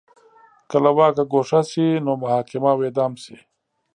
که له واکه ګوښه شي نو محاکمه او اعدام شي